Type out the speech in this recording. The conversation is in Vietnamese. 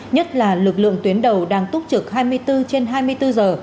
nhất là lực lượng tuyến đầu đang túc trực hai mươi bốn trên hai mươi bốn giờ